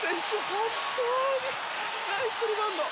本当にナイスリバウンド！